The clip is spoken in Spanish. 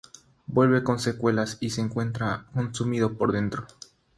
Vuelve con secuelas y se encuentra consumido por dentro.